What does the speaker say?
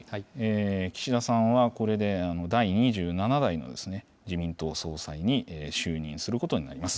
岸田さんは、これで第２７代の自民党総裁に就任することになります。